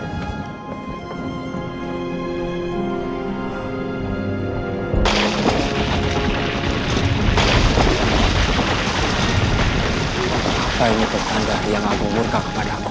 apa ini petanda yang aku murka kepada aku